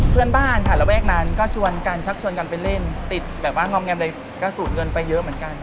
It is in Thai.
เพื่อนบ้านค่ะระแวกนั้นก็ชวนกันชักชวนกันไปเล่นติดแบบว่างอมแงมเลยก็สูดเงินไปเยอะเหมือนกัน